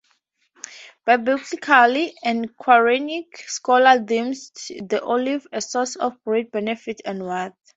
Biblical and Qur'anic scholars deem the olive a source of great benefit and worth.